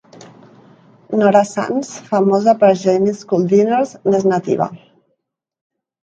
Nora Sands, famosa per "Jamie's School Dinners", n'és nativa.